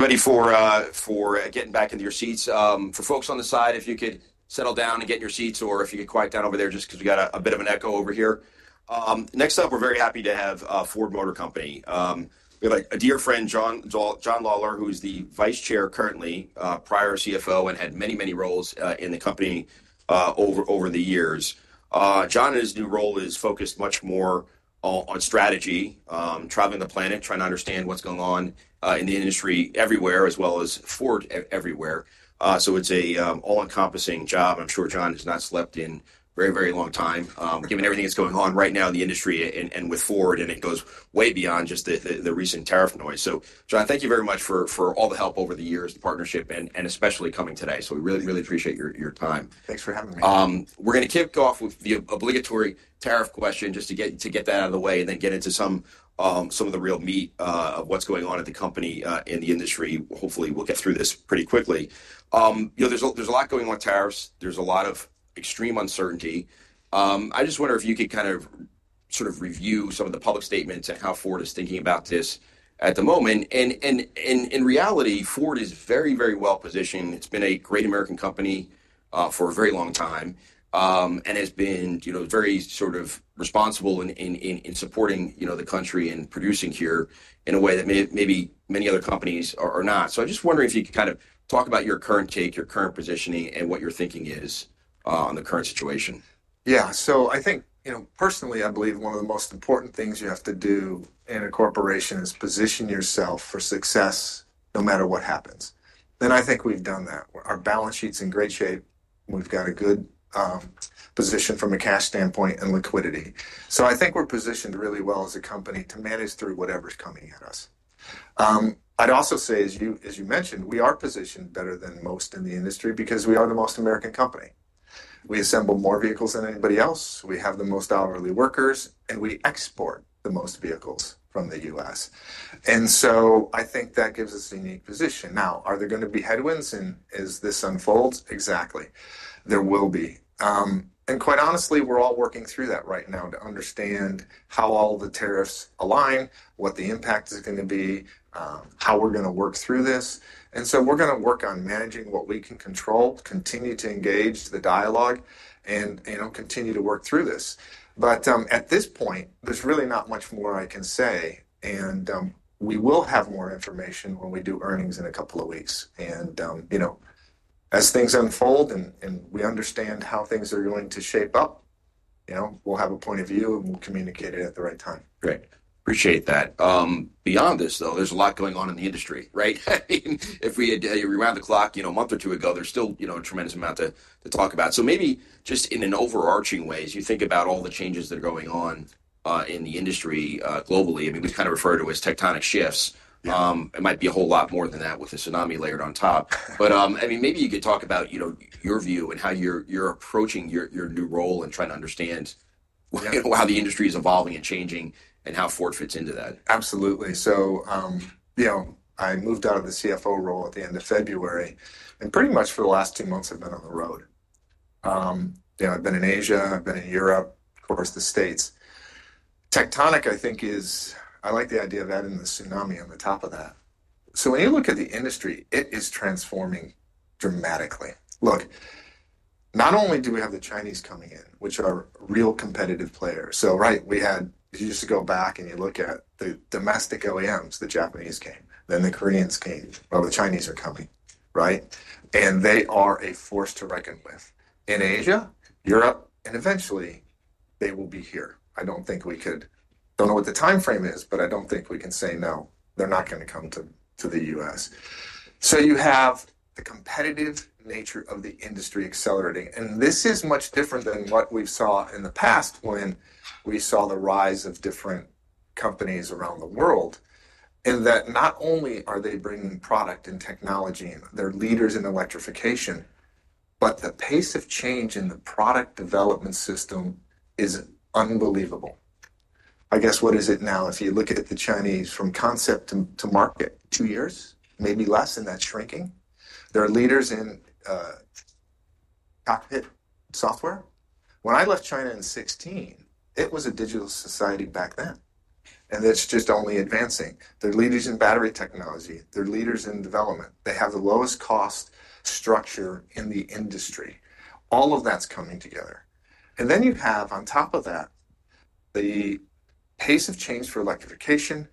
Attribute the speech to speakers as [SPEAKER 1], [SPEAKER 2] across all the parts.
[SPEAKER 1] Ready for, for, getting back into your seats. For folks on the side, if you could settle down and get in your seats, or if you could quiet down over there, just because we got a bit of an echo over here. Next up, we're very happy to have Ford Motor Company. We have a dear friend, John, John Lawler, who's the Vice Chair currently, prior CFO and had many, many roles in the company over, over the years. John, his new role is focused much more on strategy, traveling the planet, trying to understand what's going on in the industry everywhere, as well as Ford everywhere. So it's a, all-encompassing job. I'm sure John has not slept in a very, very long time, given everything that's going on right now in the industry and with Ford, and it goes way beyond just the recent tariff noise. John, thank you very much for all the help over the years, the partnership, and especially coming today. We really, really appreciate your time.
[SPEAKER 2] Thanks for having me.
[SPEAKER 1] We're going to kick off with the obligatory tariff question just to get that out of the way and then get into some of the real meat of what's going on at the company, in the industry. Hopefully, we'll get through this pretty quickly. You know, there's a lot going on with tariffs. There's a lot of extreme uncertainty. I just wonder if you could kind of sort of review some of the public statements and how Ford is thinking about this at the moment. In reality, Ford is very, very well positioned. It's been a great American company for a very long time, and has been, you know, very sort of responsible in supporting, you know, the country and producing here in a way that maybe many other companies are not. I just wonder if you could kind of talk about your current take, your current positioning, and what your thinking is, on the current situation.
[SPEAKER 2] Yeah. I think, you know, personally, I believe one of the most important things you have to do in a corporation is position yourself for success no matter what happens. I think we've done that. Our balance sheet's in great shape. We've got a good position from a cash standpoint and liquidity. I think we're positioned really well as a company to manage through whatever's coming at us. I'd also say, as you mentioned, we are positioned better than most in the industry because we are the most American company. We assemble more vehicles than anybody else. We have the most hourly workers, and we export the most vehicles from the U.S. I think that gives us a unique position. Now, are there going to be headwinds as this unfolds? Exactly. There will be. Quite honestly, we're all working through that right now to understand how all the tariffs align, what the impact is going to be, how we're going to work through this. We're going to work on managing what we can control, continue to engage the dialogue, and, you know, continue to work through this. At this point, there's really not much more I can say. We will have more information when we do earnings in a couple of weeks. You know, as things unfold and we understand how things are going to shape up, you know, we'll have a point of view and we'll communicate it at the right time.
[SPEAKER 1] Great. Appreciate that. Beyond this, though, there's a lot going on in the industry, right? I mean, if we had, you know, around the clock, you know, a month or two ago, there's still, you know, a tremendous amount to talk about. Maybe just in an overarching way, as you think about all the changes that are going on in the industry, globally, I mean, we kind of refer to it as tectonic shifts. It might be a whole lot more than that with a tsunami layered on top. I mean, maybe you could talk about, you know, your view and how you're approaching your new role and trying to understand, you know, how the industry is evolving and changing and how Ford fits into that.
[SPEAKER 2] Absolutely. You know, I moved out of the CFO role at the end of February, and pretty much for the last two months, I've been on the road. You know, I've been in Asia, I've been in Europe, of course, the States. Tectonic, I think, is, I like the idea of adding the tsunami on the top of that. When you look at the industry, it is transforming dramatically. Look, not only do we have the Chinese coming in, which are real competitive players. Right, we had, if you just go back and you look at the domestic OEMs, the Japanese came, then the Koreans came, the Chinese are coming, right? They are a force to reckon with in Asia, Europe, and eventually they will be here. I don't think we could, don't know what the timeframe is, but I don't think we can say no, they're not going to come to the U.S. You have the competitive nature of the industry accelerating. This is much different than what we saw in the past when we saw the rise of different companies around the world, in that not only are they bringing product and technology, they're leaders in electrification, but the pace of change in the product development system is unbelievable. I guess what is it now? If you look at the Chinese from concept to market, two years, maybe less, and that's shrinking. They're leaders in cockpit software. When I left China in 2016, it was a digital society back then, and it's just only advancing. They're leaders in battery technology. They're leaders in development. They have the lowest cost structure in the industry. All of that's coming together. You have, on top of that, the pace of change for electrification.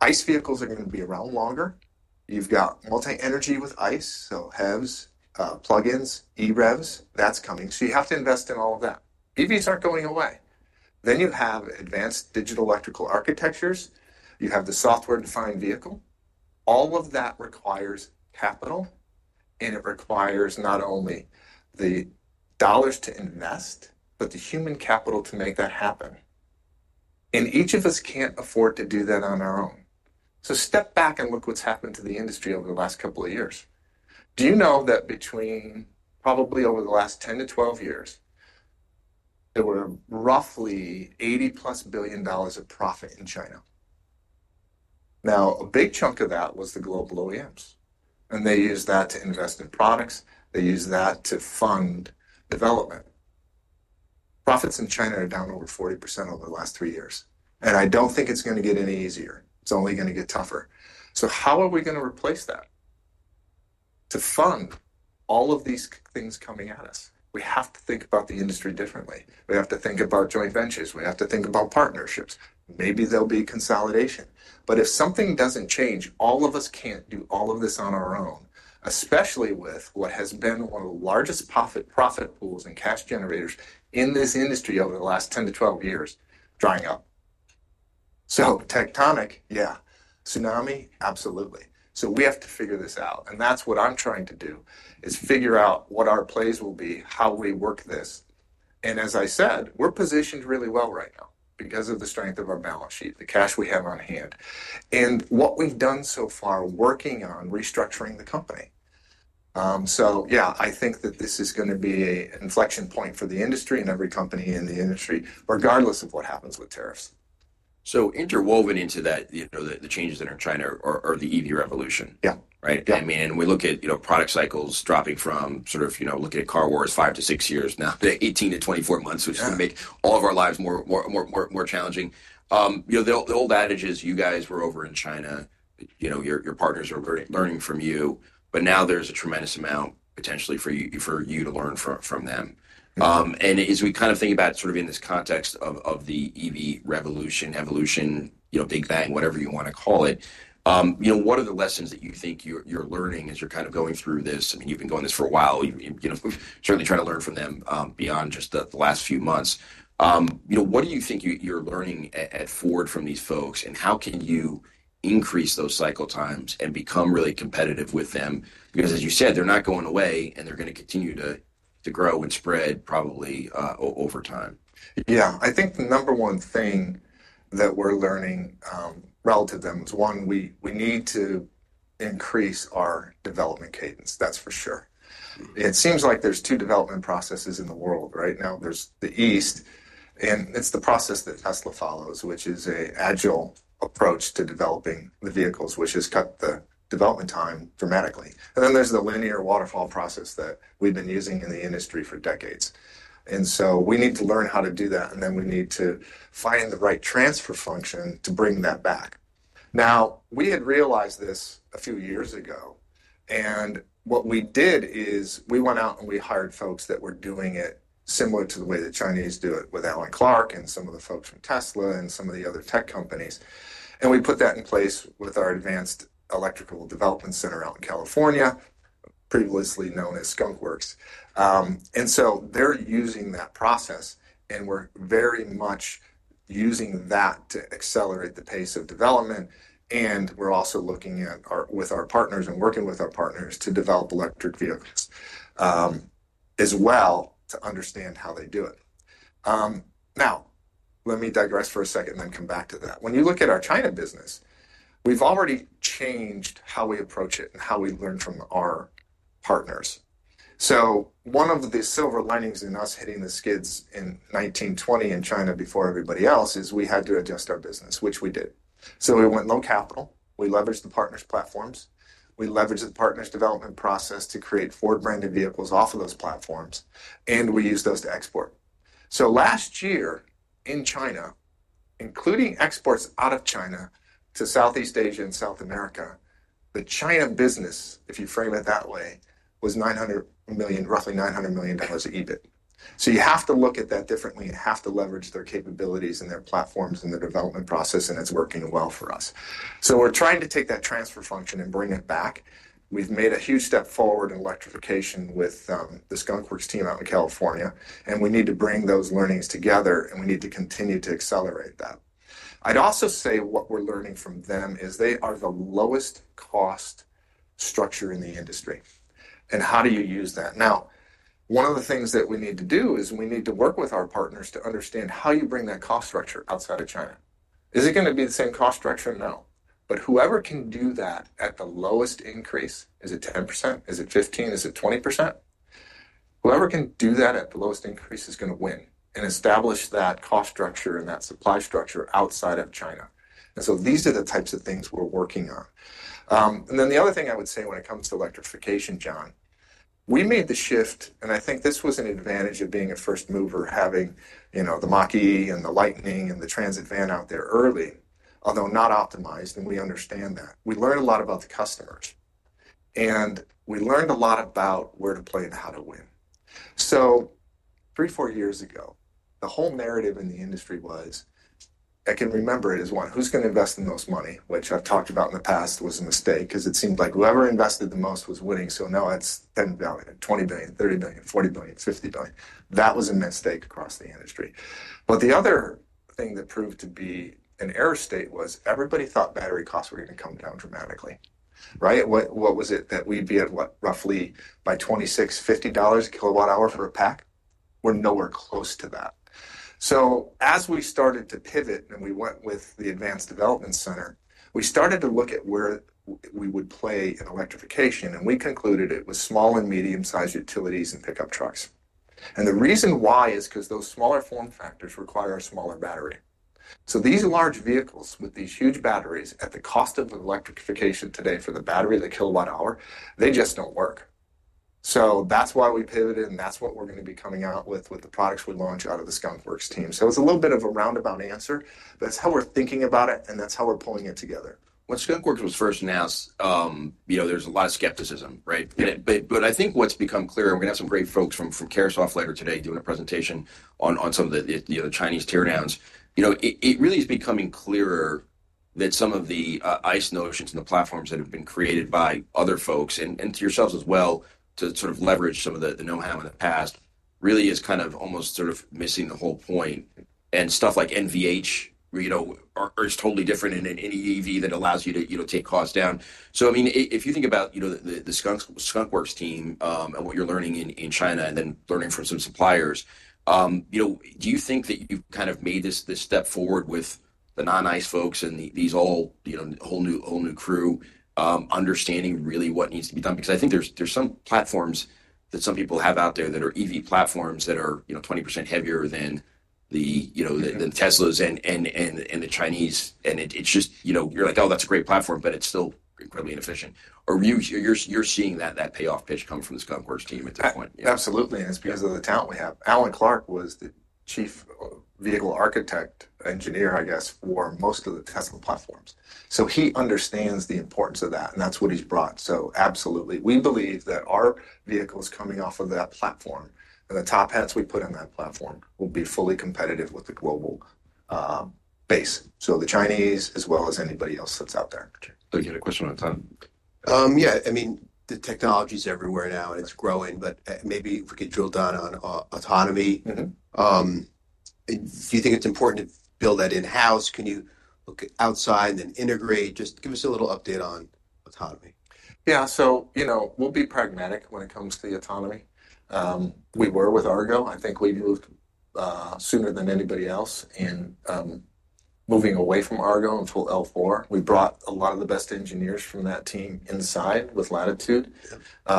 [SPEAKER 2] ICE vehicles are going to be around longer. You have multi-energy with ICE, so HEVs, plug-ins, EREVs, that's coming. You have to invest in all of that. EVs aren't going away. You have advanced digital electrical architectures. You have the software-defined vehicle. All of that requires capital, and it requires not only the dollars to invest, but the human capital to make that happen. Each of us can't afford to do that on our own. Step back and look what's happened to the industry over the last couple of years. Do you know that between, probably over the last 10 to 12 years, there were roughly $80+ billion of profit in China? Now, a big chunk of that was the global OEMs, and they used that to invest in products. They used that to fund development. Profits in China are down over 40% over the last three years. I don't think it's going to get any easier. It's only going to get tougher. How are we going to replace that? To fund all of these things coming at us, we have to think about the industry differently. We have to think about joint ventures. We have to think about partnerships. Maybe there'll be consolidation. If something doesn't change, all of us can't do all of this on our own, especially with what has been one of the largest profit pools and cash generators in this industry over the last 10 to 12 years drying up. Tectonic, yeah. Tsunami, absolutely. We have to figure this out. That is what I'm trying to do, is figure out what our plays will be, how we work this. As I said, we're positioned really well right now because of the strength of our balance sheet, the cash we have on hand, and what we've done so far working on restructuring the company. Yeah, I think that this is going to be an inflection point for the industry and every company in the industry, regardless of what happens with tariffs.
[SPEAKER 1] Interwoven into that, you know, the changes that are in China are the EV revolution.
[SPEAKER 2] Yeah.
[SPEAKER 1] Right? I mean, and we look at, you know, product cycles dropping from sort of, you know, looking at Car Wars, five to six years now, to 18-24 months, which is going to make all of our lives more, more, more challenging. You know, the old adage is you guys were over in China, you know, your partners are learning from you, but now there's a tremendous amount potentially for you to learn from them. As we kind of think about sort of in this context of the EV revolution, evolution, you know, big bang, whatever you want to call it, you know, what are the lessons that you think you're learning as you're kind of going through this? I mean, you've been going this for a while, you know, certainly trying to learn from them beyond just the last few months. you know, what do you think you're learning at Ford from these folks, and how can you increase those cycle times and become really competitive with them? Because as you said, they're not going away, and they're going to continue to grow and spread probably over time.
[SPEAKER 2] Yeah. I think the number one thing that we're learning, relative to them, is one, we need to increase our development cadence, that's for sure. It seems like there's two development processes in the world right now. There's the East, and it's the process that Tesla follows, which is an agile approach to developing the vehicles, which has cut the development time dramatically. There's the linear waterfall process that we've been using in the industry for decades. We need to learn how to do that, and then we need to find the right transfer function to bring that back. Now, we had realized this a few years ago, and what we did is we went out and we hired folks that were doing it similar to the way the Chinese do it with Alan Clarke and some of the folks from Tesla and some of the other tech companies. We put that in place with our Advanced Electrical Development Center out in California, previously known as skunkworks. They are using that process, and we're very much using that to accelerate the pace of development. We're also looking at our, with our partners and working with our partners to develop electric vehicles, as well to understand how they do it. Now, let me digress for a second and then come back to that. When you look at our China business, we've already changed how we approach it and how we learn from our partners. One of the silver linings in us hitting the skids in 2019, 2020 in China before everybody else is we had to adjust our business, which we did. We went low capital. We leveraged the partners' platforms. We leveraged the partners' development process to create Ford-branded vehicles off of those platforms, and we used those to export. Last year in China, including exports out of China to Southeast Asia and South America, the China business, if you frame it that way, was roughly $900 million of EBIT. You have to look at that differently and have to leverage their capabilities and their platforms and their development process, and it's working well for us. We're trying to take that transfer function and bring it back. We've made a huge step forward in electrification with the skunkworks team out in California, and we need to bring those learnings together, and we need to continue to accelerate that. I'd also say what we're learning from them is they are the lowest cost structure in the industry. How do you use that? Now, one of the things that we need to do is we need to work with our partners to understand how you bring that cost structure outside of China. Is it going to be the same cost structure? No. Whoever can do that at the lowest increase, is it 10%? Is it 15%? Is it 20%? Whoever can do that at the lowest increase is going to win and establish that cost structure and that supply structure outside of China. These are the types of things we're working on. Then the other thing I would say when it comes to electrification, John, we made the shift, and I think this was an advantage of being a first mover, having, you know, the Mach-E and the Lightning and the Transit van out there early, although not optimized, and we understand that. We learned a lot about the customers, and we learned a lot about where to play and how to win. Three, four years ago, the whole narrative in the industry was, I can remember it as one, who's going to invest in those money, which I've talked about in the past was a mistake because it seemed like whoever invested the most was winning. Now it's $10 billion, $20 billion, $30 billion, $40 billion, $50 billion. That was a mistake across the industry. The other thing that proved to be an error state was everybody thought battery costs were going to come down dramatically, right? What was it that we'd be at, what, roughly by $26, $50 a kWh for a pack? We're nowhere close to that. As we started to pivot and we went with the Advanced Development Center, we started to look at where we would play in electrification, and we concluded it was small and medium-sized utilities and pickup trucks. The reason why is because those smaller form factors require a smaller battery. These large vehicles with these huge batteries at the cost of electrification today for the battery, the kilowatt hour, they just don't work. That is why we pivoted, and that is what we're going to be coming out with, with the products we launch out of the skunkworks team. It's a little bit of a roundabout answer, but that's how we're thinking about it, and that's how we're pulling it together.
[SPEAKER 1] When skunkworks was first announced, you know, there's a lot of skepticism, right? I think what's become clear, and we're going to have some great folks from Caresoft later today doing a presentation on some of the, you know, the Chinese teardowns, you know, it really is becoming clearer that some of the ICE notions and the platforms that have been created by other folks and to yourselves as well to sort of leverage some of the know-how in the past really is kind of almost sort of missing the whole point. Stuff like NVH, you know, are totally different in an EV that allows you to, you know, take costs down. I mean, if you think about, you know, the skunkworks team and what you're learning in China and then learning from some suppliers, you know, do you think that you've kind of made this step forward with the non-ICE folks and these all, you know, whole new crew, understanding really what needs to be done? Because I think there's some platforms that some people have out there that are EV platforms that are, you know, 20% heavier than the, you know, than Teslas and the Chinese. And it's just, you know, you're like, oh, that's a great platform, but it's still incredibly inefficient. Or you're seeing that payoff pitch come from the skunkworks team at this point.
[SPEAKER 2] Absolutely. It is because of the talent we have. Alan Clarke was the chief vehicle architect engineer, I guess, for most of the Tesla platforms. He understands the importance of that, and that is what he has brought. Absolutely. We believe that our vehicles coming off of that platform and the top hats we put on that platform will be fully competitive with the global base, the Chinese as well as anybody else that is out there. You had a question on time?
[SPEAKER 1] Yeah. I mean, the technology's everywhere now, and it's growing, but maybe if we could drill down on autonomy, do you think it's important to build that in-house? Can you look outside and integrate? Just give us a little update on autonomy.
[SPEAKER 2] Yeah. You know, we'll be pragmatic when it comes to the autonomy. We were with Argo. I think we moved sooner than anybody else in moving away from Argo until L4. We brought a lot of the best engineers from that team inside with Latitude.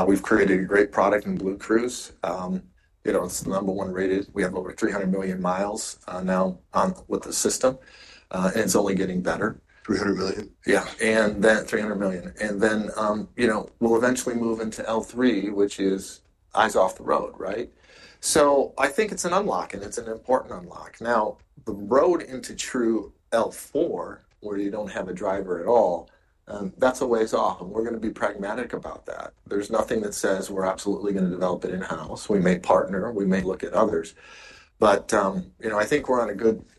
[SPEAKER 2] We've created a great product in BlueCruise. You know, it's the number one rated. We have over 300 million miles now on with the system, and it's only getting better.
[SPEAKER 1] 300 million?
[SPEAKER 2] Yeah. And then $300 million. And then, you know, we'll eventually move into L3, which is eyes off the road, right? I think it's an unlock, and it's an important unlock. Now, the road into true L4, where you don't have a driver at all, that's a ways off, and we're going to be pragmatic about that. There's nothing that says we're absolutely going to develop it in-house. We may partner. We may look at others. You know, I think we're on a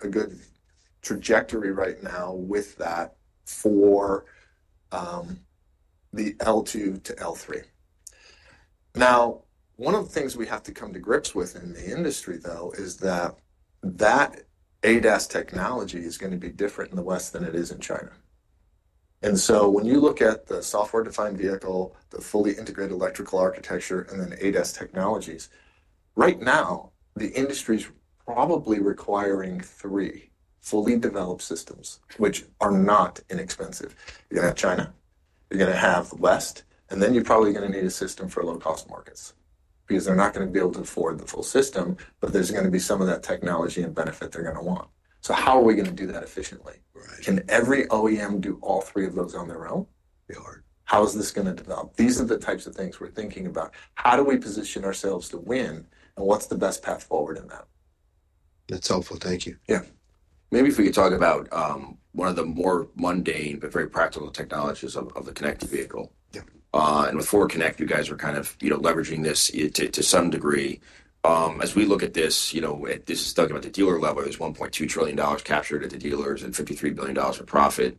[SPEAKER 2] good trajectory right now with that for the L2 to L3. Now, one of the things we have to come to grips with in the industry, though, is that that ADAS technology is going to be different in the West than it is in China. When you look at the software-defined vehicle, the fully integrated electrical architecture, and then ADAS technologies, right now, the industry's probably requiring three fully developed systems, which are not inexpensive. You're going to have China. You're going to have the West. And then you're probably going to need a system for low-cost markets because they're not going to be able to afford the full system, but there's going to be some of that technology and benefit they're going to want. How are we going to do that efficiently? Can every OEM do all three of those on their own? How is this going to develop? These are the types of things we're thinking about. How do we position ourselves to win? What's the best path forward in that?
[SPEAKER 1] That's helpful. Thank you.
[SPEAKER 2] Yeah.
[SPEAKER 1] Maybe if we could talk about, one of the more mundane but very practical technologies of the connected vehicle.
[SPEAKER 2] Yeah.
[SPEAKER 1] With Ford Connect, you guys are kind of, you know, leveraging this to some degree. As we look at this, you know, this is talking about the dealer level. There's $1.2 trillion captured at the dealers and $53 billion of profit.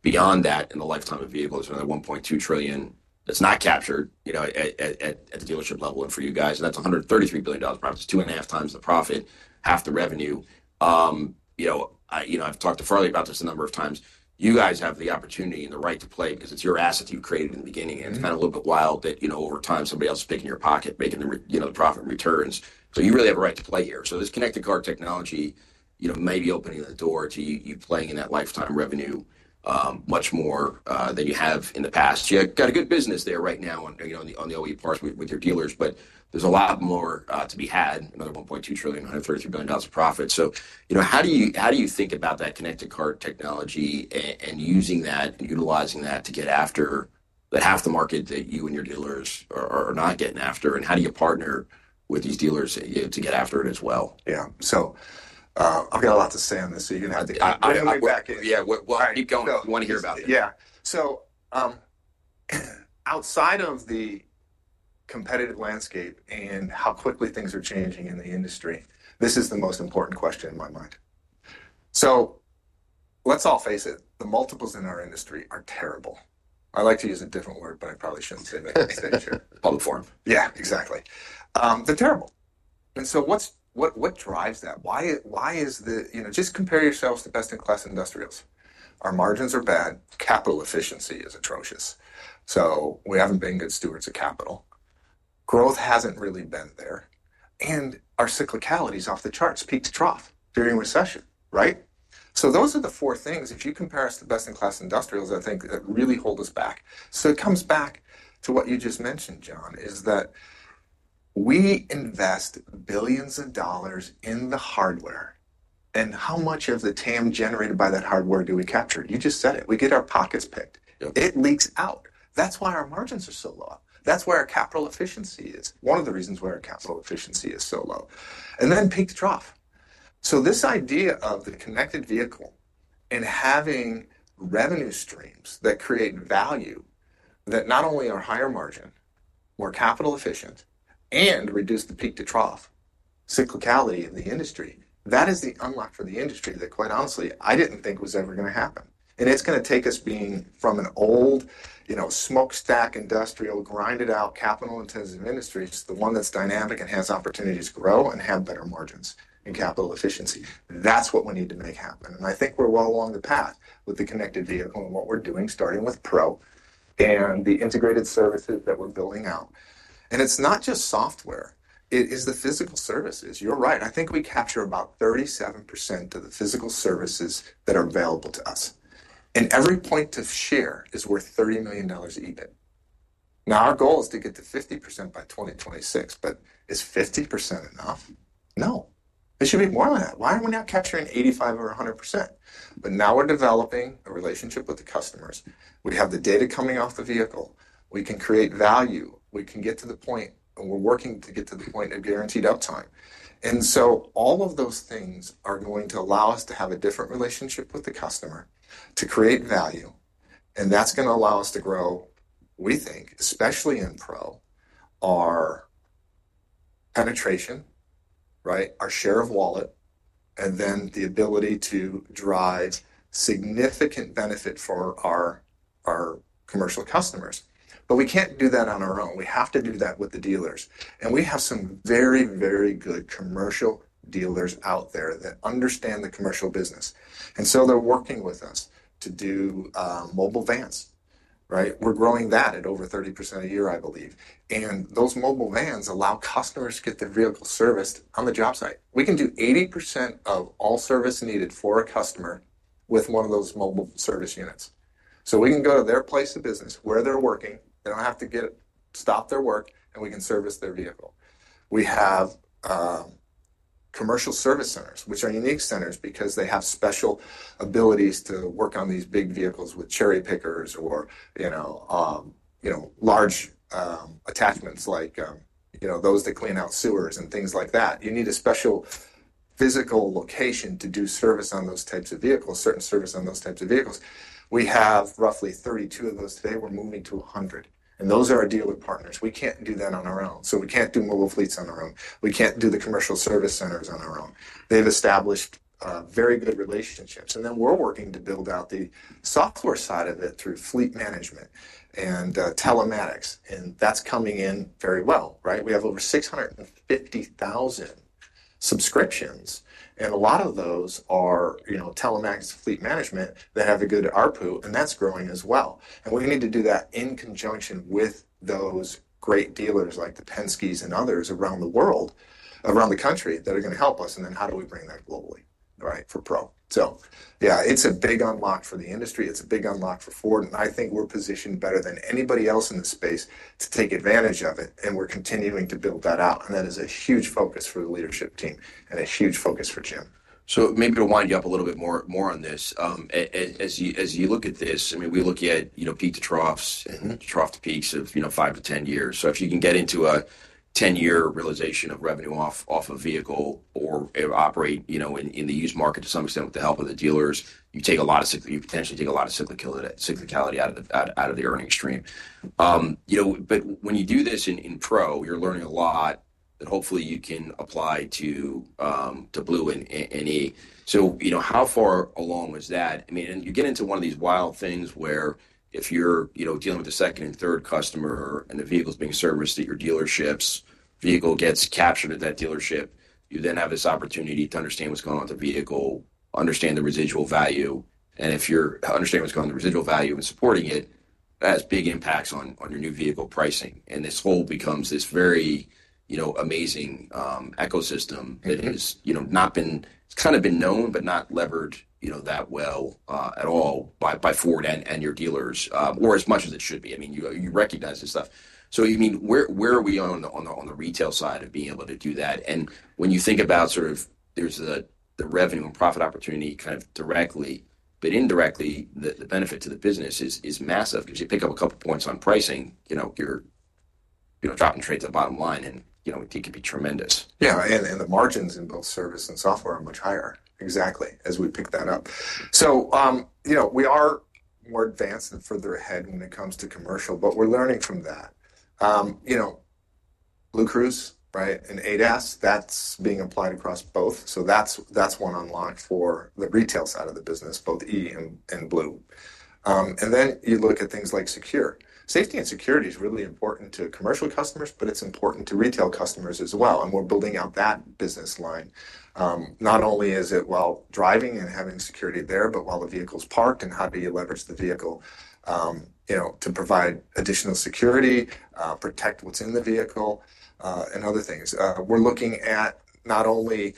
[SPEAKER 1] Beyond that, in the lifetime of vehicles, another $1.2 trillion that's not captured, you know, at the dealership level and for you guys. And that's $133 billion profit. It's two and a half times the profit, half the revenue. You know, I, you know, I've talked to Farley about this a number of times. You guys have the opportunity and the right to play because it's your asset that you created in the beginning. It's kind of a little bit wild that, you know, over time, somebody else is picking your pocket, making the, you know, the profit returns. You really have a right to play here. This connected car technology, you know, may be opening the door to you playing in that lifetime revenue, much more than you have in the past. You got a good business there right now on, you know, on the OEM parts with your dealers, but there's a lot more to be had, another $1.2 trillion, $133 billion of profit. You know, how do you think about that connected car technology and using that and utilizing that to get after that half the market that you and your dealers are not getting after? How do you partner with these dealers to get after it as well?
[SPEAKER 2] Yeah. I've got a lot to say on this. You're going to have to get my back in.
[SPEAKER 1] Yeah. Keep going. You want to hear about that.
[SPEAKER 2] Yeah. Outside of the competitive landscape and how quickly things are changing in the industry, this is the most important question in my mind. Let's all face it. The multiples in our industry are terrible. I like to use a different word, but I probably shouldn't say that.
[SPEAKER 1] Public form.
[SPEAKER 2] Yeah, exactly. They're terrible. What drives that? Why is the, you know, just compare yourselves to best-in-class industrials. Our margins are bad. Capital efficiency is atrocious. We haven't been good stewards of capital. Growth hasn't really been there. Our cyclicality is off the charts. Peak to trough during recession, right? Those are the four things. If you compare us to best-in-class industrials, I think that really hold us back. It comes back to what you just mentioned, John, is that we invest billions of dollars in the hardware. How much of the TAM generated by that hardware do we capture? You just said it. We get our pockets picked. It leaks out. That's why our margins are so low. That's where our capital efficiency is. One of the reasons why our capital efficiency is so low. Peak to trough. This idea of the connected vehicle and having revenue streams that create value that not only are higher margin, more capital efficient, and reduce the peak to trough cyclicality in the industry, that is the unlock for the industry that, quite honestly, I did not think was ever going to happen. It is going to take us being from an old, you know, smokestack industrial, grinded out, capital-intensive industry to the one that is dynamic and has opportunities to grow and have better margins and capital efficiency. That is what we need to make happen. I think we are well along the path with the connected vehicle and what we are doing, starting with Pro and the integrated services that we are building out. It is not just software. It is the physical services. You are right. I think we capture about 37% of the physical services that are available to us. Every point to share is worth $30 million EBIT. Our goal is to get to 50% by 2026, but is 50% enough? No. It should be more than that. Why are we not capturing 85% or 100%? Now we are developing a relationship with the customers. We have the data coming off the vehicle. We can create value. We can get to the point, and we are working to get to the point of guaranteed uptime. All of those things are going to allow us to have a different relationship with the customer, to create value. That is going to allow us to grow, we think, especially in Pro, our penetration, right? Our share of wallet, and then the ability to drive significant benefit for our commercial customers. We can't do that on our own. We have to do that with the dealers. We have some very, very good commercial dealers out there that understand the commercial business. They are working with us to do mobile vans, right? We are growing that at over 30% a year, I believe. Those mobile vans allow customers to get their vehicle serviced on the job site. We can do 80% of all service needed for a customer with one of those mobile service units. We can go to their place of business, where they are working. They do not have to stop their work, and we can service their vehicle. We have commercial service centers, which are unique centers because they have special abilities to work on these big vehicles with cherry pickers or, you know, large attachments like, you know, those that clean out sewers and things like that. You need a special physical location to do service on those types of vehicles, certain service on those types of vehicles. We have roughly 32 of those today. We are moving to 100. Those are our dealer partners. We cannot do that on our own. We cannot do mobile fleets on our own. We cannot do the commercial service centers on our own. They have established very good relationships. We are working to build out the software side of it through fleet management and telematics. That is coming in very well, right? We have over 650,000 subscriptions. A lot of those are, you know, telematics fleet management that have a good ARPU, and that's growing as well. We need to do that in conjunction with those great dealers like the Penske and others around the world, around the country that are going to help us. How do we bring that globally, right, for Pro? Yeah, it's a big unlock for the industry. It's a big unlock for Ford. I think we're positioned better than anybody else in the space to take advantage of it. We're continuing to build that out. That is a huge focus for the leadership team and a huge focus for Jim.
[SPEAKER 1] Maybe to wind you up a little bit more on this, as you look at this, I mean, we look at, you know, peak to troughs and trough to peaks of, you know, five to 10 years. If you can get into a 10-year realization of revenue off a vehicle or operate, you know, in the used market to some extent with the help of the dealers, you potentially take a lot of cyclicality out of the earnings stream. You know, when you do this in Pro, you're learning a lot that hopefully you can apply to Blue and E. You know, how far along was that? I mean, and you get into one of these wild things where if you're, you know, dealing with a second and third customer and the vehicle's being serviced at your dealerships, vehicle gets captured at that dealership, you then have this opportunity to understand what's going on with the vehicle, understand the residual value. If you're understanding what's going on with the residual value and supporting it, that has big impacts on your new vehicle pricing. This whole becomes this very, you know, amazing ecosystem that has, you know, not been, it's kind of been known, but not levered, you know, that well at all by Ford and your dealers, or as much as it should be. I mean, you recognize this stuff. You mean where are we on the retail side of being able to do that? When you think about sort of there's the revenue and profit opportunity kind of directly, but indirectly, the benefit to the business is massive because you pick up a couple of points on pricing, you know, you're dropping trades at bottom line and, you know, it could be tremendous.
[SPEAKER 2] Yeah. And the margins in both service and software are much higher. Exactly. As we pick that up. You know, we are more advanced and further ahead when it comes to commercial, but we're learning from that. You know, BlueCruise, right, and ADAS, that's being applied across both. That's one unlock for the retail side of the business, both E and Blue. You look at things like Secure. Safety and security is really important to commercial customers, but it's important to retail customers as well. We're building out that business line. Not only is it while driving and having security there, but while the vehicle's parked and how do you leverage the vehicle, you know, to provide additional security, protect what's in the vehicle, and other things. We're looking at not only,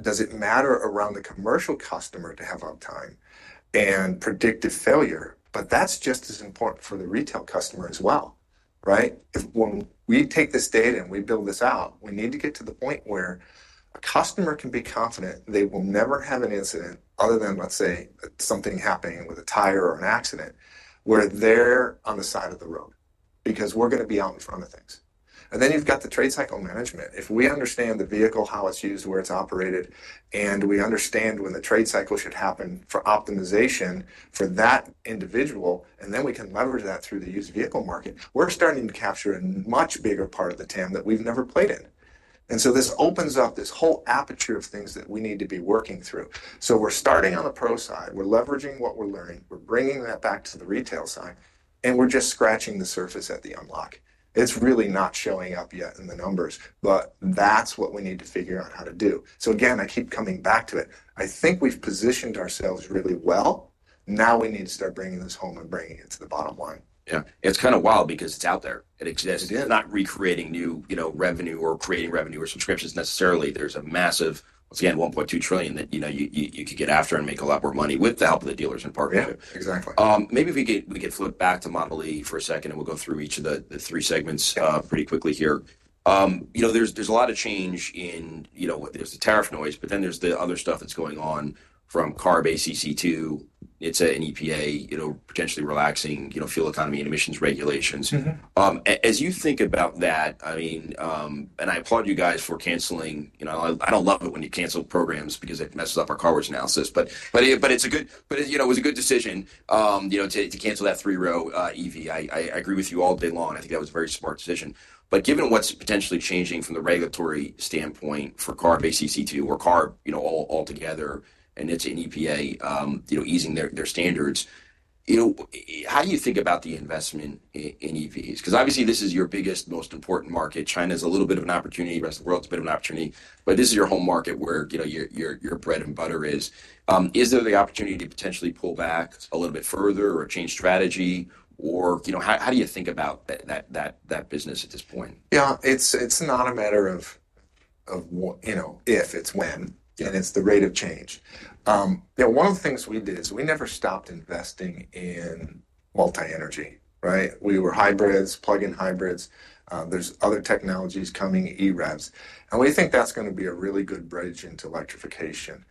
[SPEAKER 2] does it matter around the commercial customer to have uptime and predictive failure, but that's just as important for the retail customer as well, right? If when we take this data and we build this out, we need to get to the point where a customer can be confident they will never have an incident other than, let's say, something happening with a tire or an accident where they're on the side of the road because we're going to be out in front of things. You have the trade cycle management. If we understand the vehicle, how it's used, where it's operated, and we understand when the trade cycle should happen for optimization for that individual, and then we can leverage that through the used vehicle market, we're starting to capture a much bigger part of the TAM that we've never played in. This opens up this whole aperture of things that we need to be working through. We are starting on the pro side. We are leveraging what we are learning. We are bringing that back to the retail side. We are just scratching the surface at the unlock. It is really not showing up yet in the numbers, but that is what we need to figure out how to do. Again, I keep coming back to it. I think we have positioned ourselves really well. Now we need to start bringing this home and bringing it to the bottom line.
[SPEAKER 1] Yeah. It's kind of wild because it's out there. It exists. It's not recreating new, you know, revenue or creating revenue or subscriptions necessarily. There's a massive, once again, $1.2 trillion that, you know, you could get after and make a lot more money with the help of the dealers and partners.
[SPEAKER 2] Yeah, exactly.
[SPEAKER 1] Maybe if we could flip back to Model e for a second and we'll go through each of the three segments pretty quickly here. You know, there's a lot of change in, you know, there's the tariff noise, but then there's the other stuff that's going on from CARB, ACC II, it's an EPA, you know, potentially relaxing, you know, fuel economy and emissions regulations. As you think about that, I mean, and I applaud you guys for canceling, you know, I don't love it when you cancel programs because it messes up our coverage analysis, but it's a good, but it, you know, it was a good decision, you know, to cancel that three-row EV. I agree with you all day long. I think that was a very smart decision. Given what's potentially changing from the regulatory standpoint for CARB, ACC II, or CARB, you know, all together, and it's an EPA, you know, easing their standards, you know, how do you think about the investment in EVs? Because obviously this is your biggest, most important market. China is a little bit of an opportunity. The rest of the world is a bit of an opportunity. This is your home market where, you know, your bread and butter is. Is there the opportunity to potentially pull back a little bit further or change strategy? Or, you know, how do you think about that business at this point?
[SPEAKER 2] Yeah, it's not a matter of, you know, if, it's when. And it's the rate of change. You know, one of the things we did is we never stopped investing in multi-energy, right? We were hybrids, plug-in hybrids. There's other technologies coming, EREVs. And we think that's going to be a really good bridge into electrification.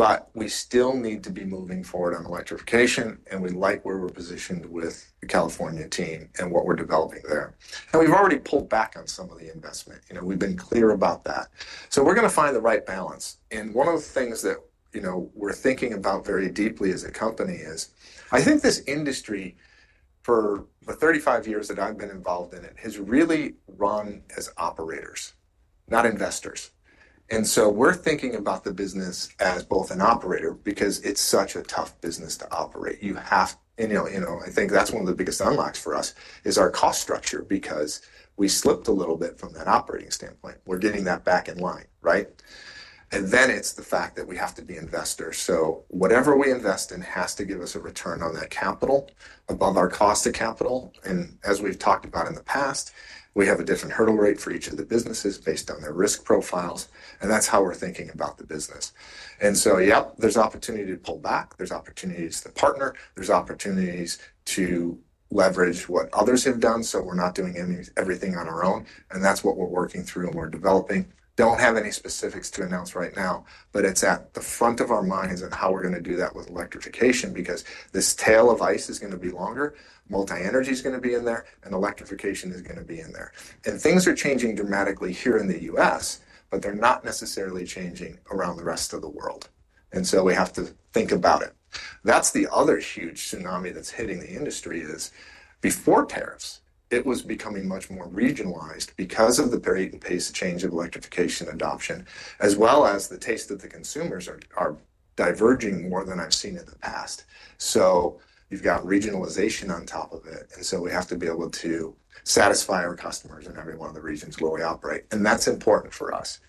[SPEAKER 2] But we still need to be moving forward on electrification. And we like where we're positioned with the California team and what we're developing there. And we've already pulled back on some of the investment. You know, we've been clear about that. So we're going to find the right balance. And one of the things that, you know, we're thinking about very deeply as a company is, I think this industry for the 35 years that I've been involved in it has really run as operators, not investors. We're thinking about the business as both an operator because it's such a tough business to operate. You have, you know, I think that's one of the biggest unlocks for us is our cost structure because we slipped a little bit from that operating standpoint. We're getting that back in line, right? It's the fact that we have to be investors. Whatever we invest in has to give us a return on that capital above our cost of capital. As we've talked about in the past, we have a different hurdle rate for each of the businesses based on their risk profiles. That's how we're thinking about the business. Yep, there's opportunity to pull back. There's opportunities to partner. There's opportunities to leverage what others have done. We're not doing everything on our own. That is what we're working through and we're developing. Don't have any specifics to announce right now, but it's at the front of our minds and how we're going to do that with electrification because this tail of ICE is going to be longer. Multi-energy is going to be in there, and electrification is going to be in there. Things are changing dramatically here in the U.S., but they're not necessarily changing around the rest of the world. We have to think about it. That is the other huge tsunami that's hitting the industry. Before tariffs, it was becoming much more regionalized because of the pace of change of electrification adoption, as well as the taste of the consumers are diverging more than I've seen in the past. You've got regionalization on top of it. We have to be able to satisfy our customers in every one of the regions where we operate. That is important for us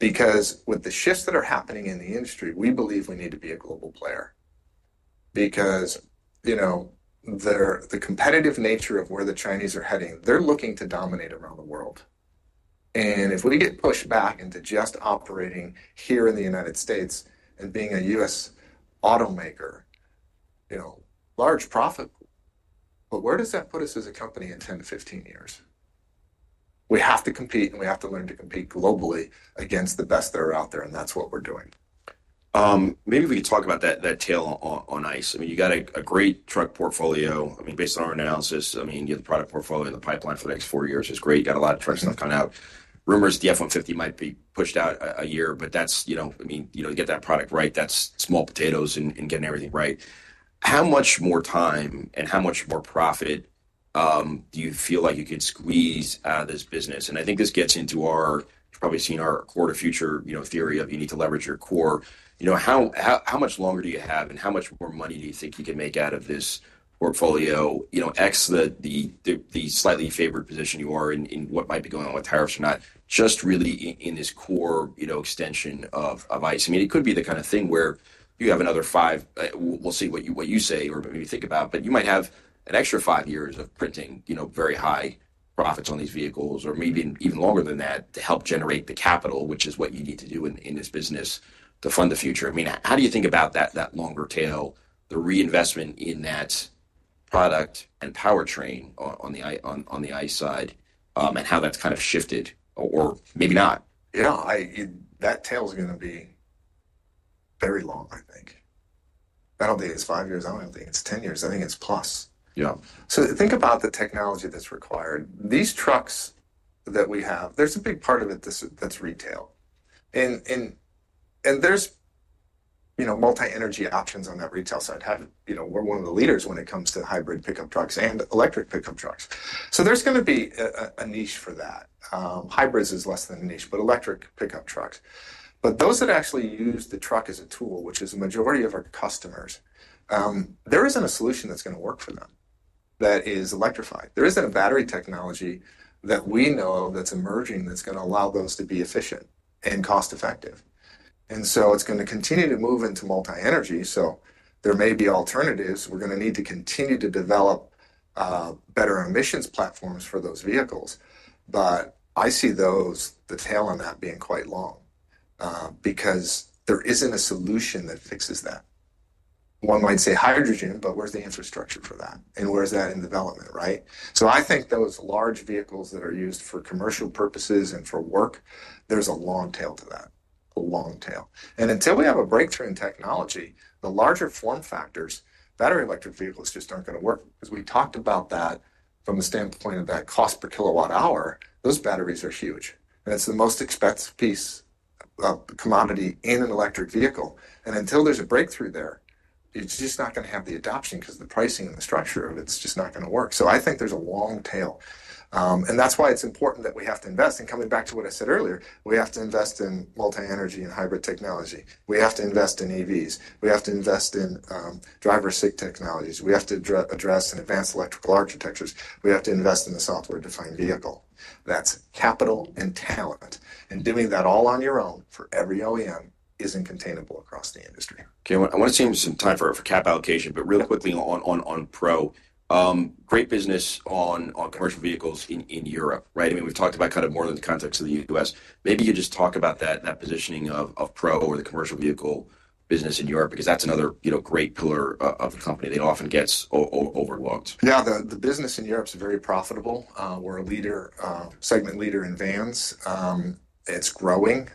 [SPEAKER 2] because with the shifts that are happening in the industry, we believe we need to be a global player because, you know, the competitive nature of where the Chinese are heading, they're looking to dominate around the world. If we get pushed back into just operating here in the United States and being a U.S. automaker, you know, large profit, but where does that put us as a company in 10 to 15 years? We have to compete, and we have to learn to compete globally against the best that are out there. That is what we're doing.
[SPEAKER 1] Maybe we could talk about that tail on ICE. I mean, you got a great truck portfolio. I mean, based on our analysis, I mean, you have the product portfolio and the pipeline for the next four years is great. You got a lot of truck stuff coming out. Rumors the F-150 might be pushed out a year, but that's, you know, I mean, you know, to get that product right, that's small potatoes and getting everything right. How much more time and how much more profit do you feel like you could squeeze out of this business? I think this gets into our, you've probably seen our Core to Future, you know, theory of you need to leverage your core. You know, how much longer do you have and how much more money do you think you can make out of this portfolio, you know, X the slightly favored position you are in what might be going on with tariffs or not, just really in this core, you know, extension of ICE? I mean, it could be the kind of thing where you have another five, we'll see what you say or maybe think about, but you might have an extra five years of printing, you know, very high profits on these vehicles or maybe even longer than that to help generate the capital, which is what you need to do in this business to fund the future. I mean, how do you think about that longer tail, the reinvestment in that product and powertrain on the ICE side and how that's kind of shifted or maybe not?
[SPEAKER 2] Yeah, that tail is going to be very long, I think. I don't think it's five years. I don't think it's 10 years. I think it's plus.
[SPEAKER 1] Yeah.
[SPEAKER 2] Think about the technology that's required. These trucks that we have, there's a big part of it that's retail. There's, you know, multi-energy options on that retail side. You know, we're one of the leaders when it comes to hybrid pickup trucks and electric pickup trucks. There's going to be a niche for that. Hybrids is less than a niche, but electric pickup trucks. Those that actually use the truck as a tool, which is the majority of our customers, there isn't a solution that's going to work for them that is electrified. There isn't a battery technology that we know that's emerging that's going to allow those to be efficient and cost-effective. It's going to continue to move into multi-energy. There may be alternatives. We're going to need to continue to develop better emissions platforms for those vehicles. I see those, the tail on that being quite long because there isn't a solution that fixes that. One might say hydrogen, but where's the infrastructure for that? Where's that in development, right? I think those large vehicles that are used for commercial purposes and for work, there's a long tail to that, a long tail. Until we have a breakthrough in technology, the larger form factors, battery electric vehicles just aren't going to work. We talked about that from the standpoint of that cost per kilowatt hour, those batteries are huge. It's the most expensive piece of commodity in an electric vehicle. Until there's a breakthrough there, it's just not going to have the adoption because the pricing and the structure of it's just not going to work. I think there's a long tail. That is why it is important that we have to invest. Coming back to what I said earlier, we have to invest in multi-energy and hybrid technology. We have to invest in EVs. We have to invest in driver-assist technologies. We have to address and advance electrical architectures. We have to invest in the software-defined vehicle. That is capital and talent. Doing that all on your own for every OEM is not containable across the industry.
[SPEAKER 1] Okay. I want to save some time for cap allocation, but real quickly on Pro, great business on commercial vehicles in Europe, right? I mean, we've talked about kind of more in the context of the U.S. Maybe you just talk about that positioning of Pro or the commercial vehicle business in Europe because that's another great pillar of the company that often gets overlooked.
[SPEAKER 2] Yeah, the business in Europe is very profitable. We're a segment leader in vans. It's growing.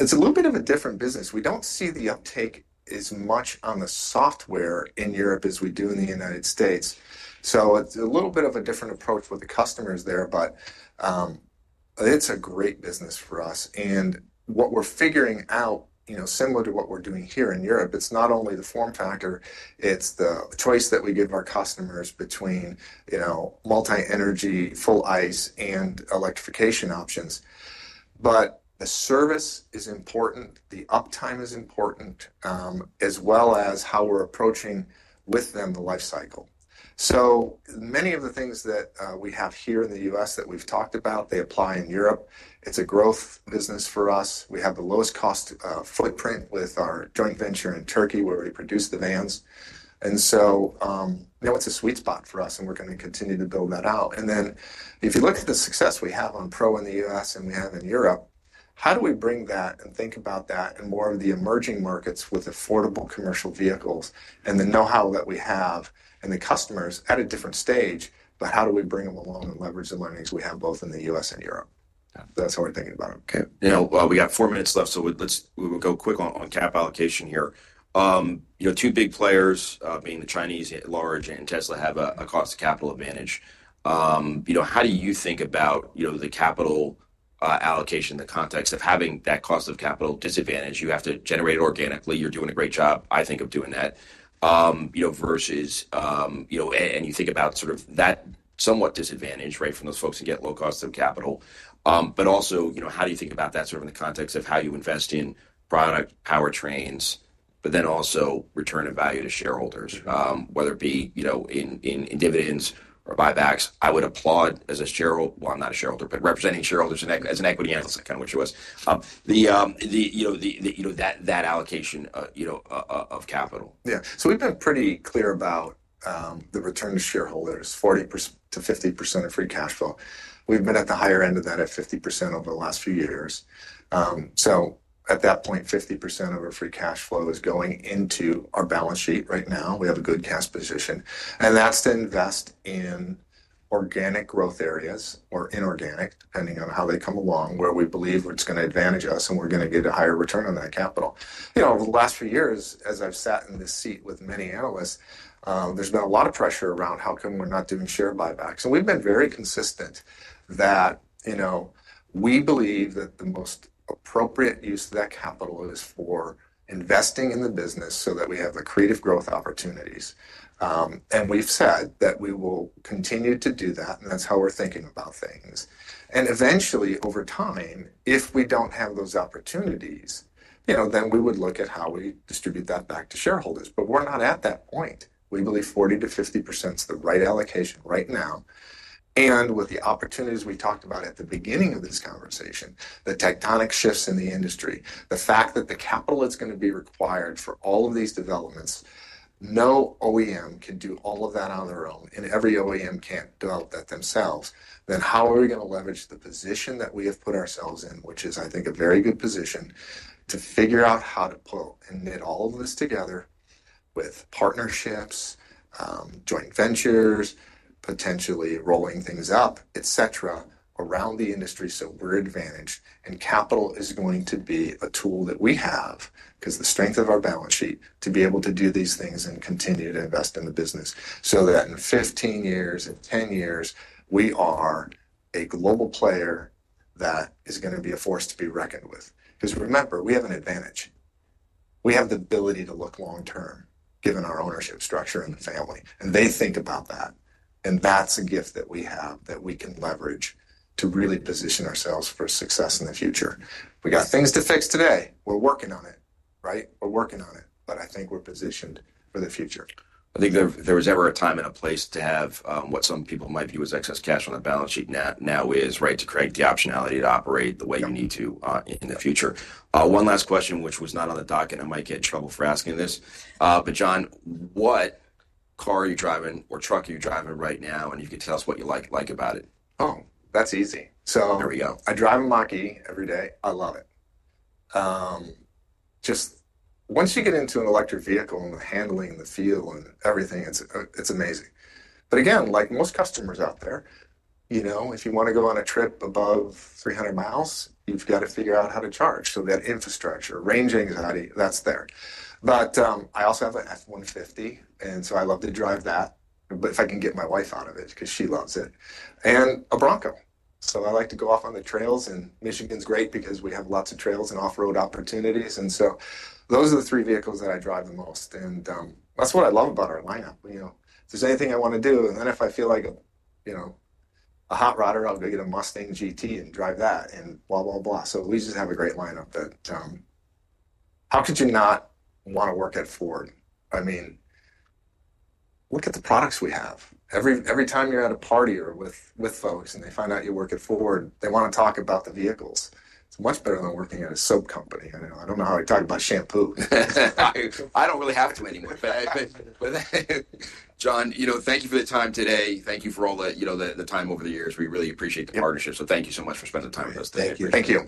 [SPEAKER 2] It's a little bit of a different business. We don't see the uptake as much on the software in Europe as we do in the United States. It is a little bit of a different approach with the customers there, but it's a great business for us. What we're figuring out, you know, similar to what we're doing here in Europe, it's not only the form factor, it's the choice that we give our customers between, you know, multi-energy, full ICE and electrification options. The service is important. The uptime is important as well as how we're approaching with them the life cycle. Many of the things that we have here in the U.S. that we've talked about, they apply in Europe. It's a growth business for us. We have the lowest cost footprint with our joint venture in Turkey where we produce the vans. You know, it's a sweet spot for us and we're going to continue to build that out. If you look at the success we have on Pro in the U.S. and we have in Europe, how do we bring that and think about that in more of the emerging markets with affordable commercial vehicles and the know-how that we have and the customers at a different stage, but how do we bring them along and leverage the learnings we have both in the U.S. and Europe? That's how we're thinking about it.
[SPEAKER 1] Okay. You know, we got four minutes left, so we'll go quick on cap allocation here. You know, two big players being the Chinese large and Tesla have a cost of capital advantage. You know, how do you think about, you know, the capital allocation in the context of having that cost of capital disadvantage? You have to generate organically. You're doing a great job, I think, of doing that, you know, versus, you know, and you think about sort of that somewhat disadvantage, right, from those folks who get low cost of capital. Also, you know, how do you think about that sort of in the context of how you invest in product powertrains, but then also return of value to shareholders, whether it be, you know, in dividends or buybacks? I would applaud as a shareholder, well, I'm not a shareholder, but representing shareholders as an equity analyst, kind of what she was, you know, that allocation, you know, of capital.
[SPEAKER 2] Yeah. We've been pretty clear about the return to shareholders, 40%-50% of free cash flow. We've been at the higher end of that at 50% over the last few years. At that point, 50% of our free cash flow is going into our balance sheet right now. We have a good cash position. That's to invest in organic growth areas or inorganic, depending on how they come along, where we believe it's going to advantage us and we're going to get a higher return on that capital. You know, over the last few years, as I've sat in this seat with many analysts, there's been a lot of pressure around how come we're not doing share buybacks. We have been very consistent that, you know, we believe that the most appropriate use of that capital is for investing in the business so that we have the creative growth opportunities. We have said that we will continue to do that. That is how we are thinking about things. Eventually, over time, if we do not have those opportunities, you know, then we would look at how we distribute that back to shareholders. We are not at that point. We believe 40%-50% is the right allocation right now. With the opportunities we talked about at the beginning of this conversation, the tectonic shifts in the industry, the fact that the capital that's going to be required for all of these developments, no OEM can do all of that on their own, and every OEM can't develop that themselves, how are we going to leverage the position that we have put ourselves in, which is, I think, a very good position to figure out how to pull and knit all of this together with partnerships, joint ventures, potentially rolling things up, et cetera, around the industry so we're advantaged. Capital is going to be a tool that we have because of the strength of our balance sheet to be able to do these things and continue to invest in the business so that in 15 years, in 10 years, we are a global player that is going to be a force to be reckoned with. Remember, we have an advantage. We have the ability to look long-term given our ownership structure and the family. They think about that. That is a gift that we have that we can leverage to really position ourselves for success in the future. We got things to fix today. We're working on it, right? We're working on it. I think we're positioned for the future.
[SPEAKER 1] I think there was ever a time and a place to have what some people might view as excess cash on the balance sheet now is, right, to create the optionality to operate the way you need to in the future. One last question, which was not on the docket, and I might get in trouble for asking this. John, what car are you driving or truck are you driving right now? You can tell us what you like about it.
[SPEAKER 2] Oh, that's easy. I drive a Mach-E every day. I love it. Just once you get into an electric vehicle and the handling and the feel and everything, it's amazing. Again, like most customers out there, you know, if you want to go on a trip above 300 miles, you've got to figure out how to charge. That infrastructure, range anxiety, that's there. I also have an F-150, and I love to drive that. If I can get my wife out of it because she loves it. And a Bronco. I like to go off on the trails. Michigan's great because we have lots of trails and off-road opportunities. Those are the three vehicles that I drive the most. That's what I love about our lineup. You know, if there's anything I want to do, and then if I feel like, you know, a hot rodder, I'll go get a Mustang GT and drive that and blah, blah, blah. We just have a great lineup that how could you not want to work at Ford? I mean, look at the products we have. Every time you're at a party or with folks and they find out you work at Ford, they want to talk about the vehicles. It's much better than working at a soap company. I don't know how I talk about shampoo.
[SPEAKER 1] I don't really have to anymore. John, you know, thank you for the time today. Thank you for all the, you know, the time over the years. We really appreciate the partnership. Thank you so much for spending the time with us today.
[SPEAKER 2] Thank you.